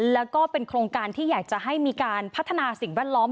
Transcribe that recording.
แล้วก็เป็นโครงการที่อยากจะให้มีการพัฒนาสิ่งแวดล้อม